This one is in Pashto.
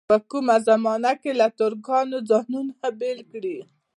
په کومه زمانه کې له ترکانو ځانونه بېل کړي.